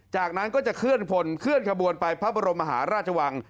จากนั้นก็จะเคลื่อนขบวนไปพระบรมหาราชวัง